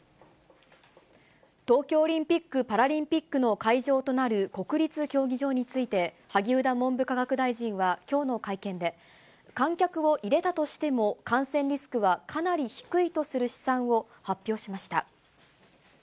東京オリンピック・パラリンピックの会場となる国立競技場について、萩生田文部科学大臣はきょうの会見で、観客を入れたとしても、感染リスクはかなり低いとする試算を発表しました。